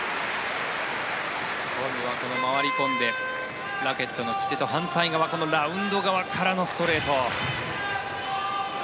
今度は回り込んでラケットの利き手と反対側このラウンド側からのストレート。